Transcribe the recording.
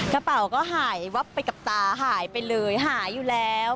กระเป๋าก็หายวับไปกับตาหายไปเลยหายอยู่แล้ว